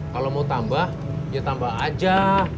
kalau mau tambah ya tambah aja